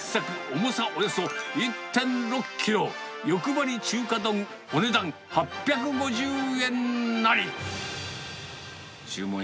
重さおよそ１．６キロ、よくばり中華丼、お値段８５０円なり。